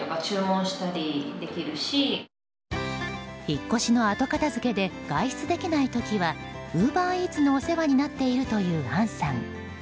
引っ越しの後片付けで外出できない時はウーバーイーツのお世話になっているという杏さん。